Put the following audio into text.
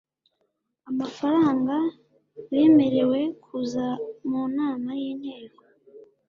amafaranga bemerewe kuza mu nama y inteko